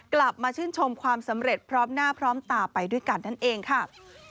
กลับมาชื่นชมความสำเร็จพร้อมหน้าพร้อมตาไปด้วยกันนั่นเองค่ะ